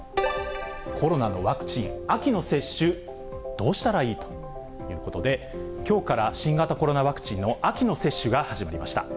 コロナのワクチン、秋の接種、どうしたらいい？ということで、きょうから新型コロナワクチンの秋の接種が始まりました。